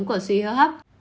của suy hớ hấp